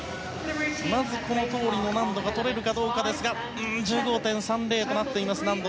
まずこのとおりの難度がとれるかどうかですが１５．３０となっています難度。